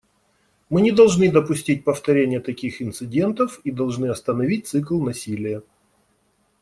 Мы не должны допустить повторения таких инцидентов и должны остановить цикл насилия.